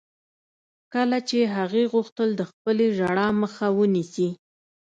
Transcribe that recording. لکه چې هغې غوښتل د خپلې ژړا مخه ونيسي.